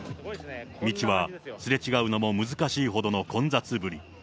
道はすれ違うのも難しいほどの混雑ぶり。